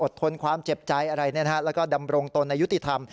อดทนความเจ็บใจและดำรงตนในยุติธรรม